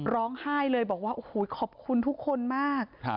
ร้องไห้เลยบอกว่าโอ้โหขอบคุณทุกคนมาก